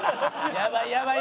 やばい！